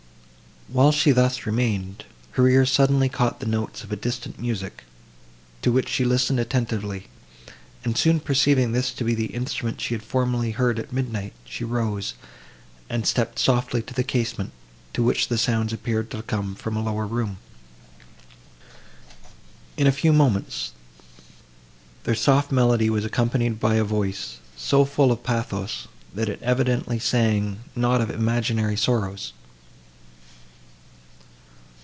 While she thus remained, her ear suddenly caught the notes of distant music, to which she listened attentively, and, soon perceiving this to be the instrument she had formerly heard at midnight, she rose, and stepped softly to the casement, to which the sounds appeared to come from a lower room. In a few moments, their soft melody was accompanied by a voice so full of pathos, that it evidently sang not of imaginary sorrows.